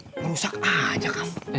ngerusak aja kang